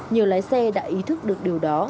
nhiều lái xe đã ý thức được điều đó